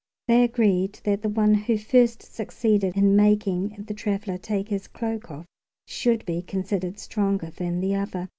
They agreed that the one who first succeeded in making the traveler take his cloak off should be considered stronger than the other.